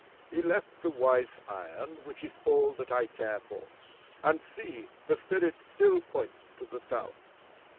He left the Wise Iron, which is all that I care for and see, the Spirit still points to the South."